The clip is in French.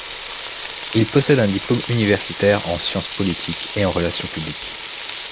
Il possède un diplôme universitaire en sciences politiques et en relations publiques.